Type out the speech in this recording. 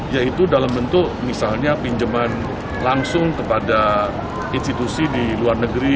yaitu dalam bentuk misalnya pinjaman langsung kepada institusi di luar negeri